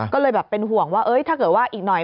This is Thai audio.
ก็เลยแบบเป็นห่วงว่าถ้าเกิดว่าอีกหน่อย